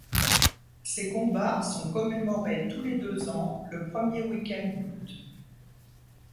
Ces combats sont commémorés tous les deux ans, le premier week-end d'août.